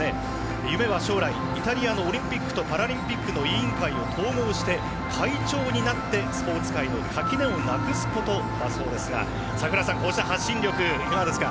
夢は将来イタリアのオリンピックとパラリンピックの委員会を統合して会長になってスポーツ界の垣根をなくすことだそうですが櫻井さん、こうした発信力いかがですか？